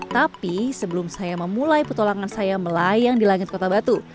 tapi sebelum saya memulai petualangan saya melayang di langit kota batu